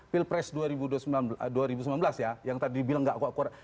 pilpres dua ribu sembilan belas ya yang tadi bilang gak kuat koran